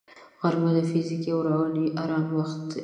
غرمه د فزیکي او رواني آرام وخت دی